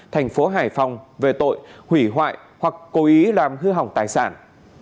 tp hải phòng về tội hủy hoại hoặc cố ý làm hư hỏng tài sản